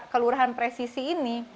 kelurahan presisi ini